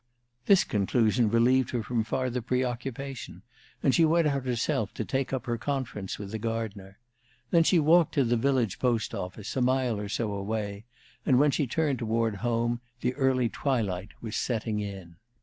This conclusion relieved her from farther preoccupation, and she went out herself to take up her conference with the gardener. Thence she walked to the village post office, a mile or so away; and when she turned toward home, the early twilight was setting in.